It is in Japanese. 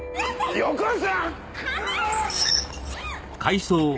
よこせ！